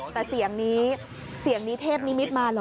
แต่เสียงนี้เสียงนิเทพนิมิตมาเหรอ